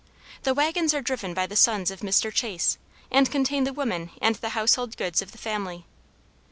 The wagons are driven by the sons of Mr. Chase and contain the women and the household goods of the family.